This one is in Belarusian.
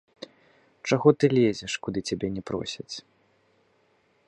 Чаго ты лезеш, куды цябе не просяць!